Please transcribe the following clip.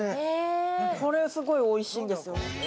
これ、すごい美味しいんですよ。